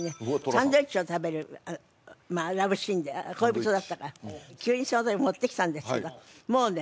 サンドイッチを食べるまあラブシーンで恋人だったから急にその時持ってきたんですけどもうね